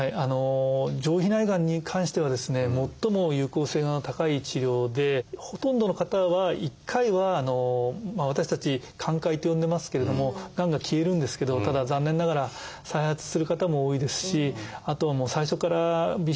上皮内がんに関してはですね最も有効性が高い治療でほとんどの方は１回は私たち「寛解」と呼んでますけれどもがんが消えるんですけどただ残念ながら再発する方も多いですしあとはもう最初からＢＣＧが効かない方もいらっしゃいます。